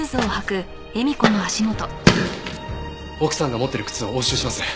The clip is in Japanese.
奥さんが持ってる靴を押収します。